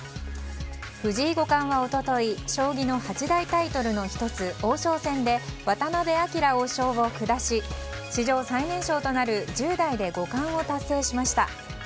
藤井五冠は一昨日将棋の八大タイトルの１つ王将戦で渡辺明王将を下し史上最年少となる１０代で五冠を達成しました。